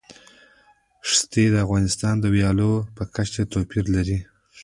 ښتې د افغانستان د ولایاتو په کچه توپیر لري.